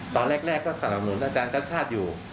ตอนแรกก็สนับหนุนอาจารย์ชัดอยู่